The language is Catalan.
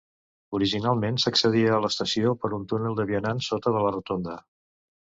Originalment s'accedia a l'estació per un túnel de vianants sota de la rotonda.